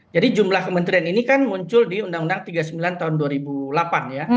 jadi jumlah kementerian ini kan muncul di undang undang tiga puluh sembilan tahun dua ribu delapan ya